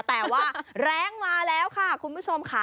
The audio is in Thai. แต่ว่าแรงมาแล้วค่ะคุณผู้ชมค่ะ